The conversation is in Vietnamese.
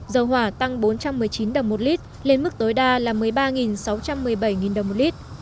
dầu hỏa tăng bốn trăm một mươi chín đồng một lit lên mức tối đa một mươi ba sáu trăm một mươi bảy đồng một lit